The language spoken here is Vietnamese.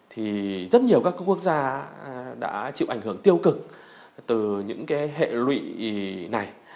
thì rất nhiều các quốc gia đã chịu ảnh hưởng tiêu cực từ những hệ lụy này